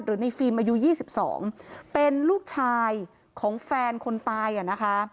หรือในฟีมอายุยี่สิบสองเป็นลูกชายของแฟนคนตายอ่ะนะคะ